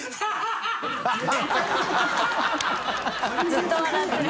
ずっと笑ってる。